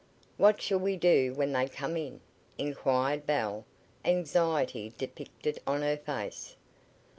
"What shall we do when they come in?" inquired Belle, anxiety depicted on her face.